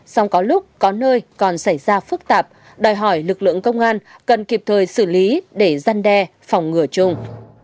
song có lúc có nơi còn xảy ra phức tạp đòi hỏi lực lượng công an cần kịp thời xử lý để gian đe phòng ngừa chung